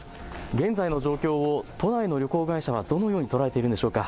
現在の状況を都内の旅行会社はどのように捉えているんでしょうか。